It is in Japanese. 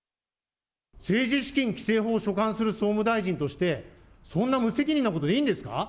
政治資金規正法を所管する総務大臣として、そんな無責任なことでいいんですか。